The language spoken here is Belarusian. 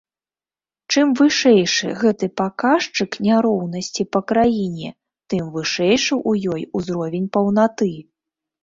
Чым вышэйшы гэты паказчык няроўнасці па краіне, тым вышэйшы ў ёй ўзровень паўнаты.